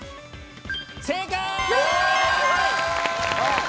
正解！